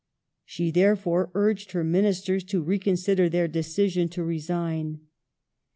She therefore urged her Ministers to reconsider their decision to resign.